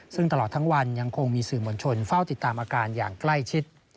ซึ่งตลอดทั้งวันยังคงมีสื่อมวลชนเฝ้าติดตามอาการอย่างใกล้ชิด